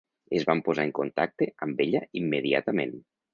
Es van posar en contacte amb ella immediatament.